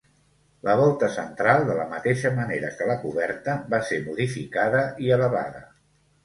La volta central, de la mateixa manera que la coberta, va ser modificada i elevada.